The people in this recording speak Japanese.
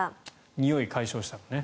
におい解消したよね。